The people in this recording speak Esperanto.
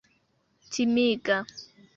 timiga